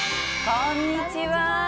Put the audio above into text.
こんにちはー。